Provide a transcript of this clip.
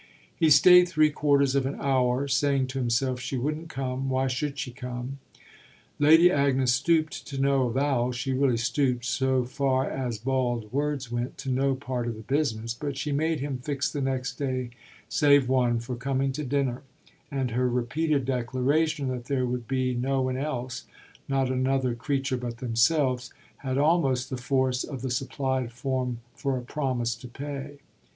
He stayed three quarters of an hour, saying to himself she wouldn't come why should she come? Lady Agnes stooped to no avowal; she really stooped, so far as bald words went, to no part of the business; but she made him fix the next day save one for coming to dinner, and her repeated declaration that there would be no one else, not another creature but themselves, had almost the force of the supplied form for a promise to pay.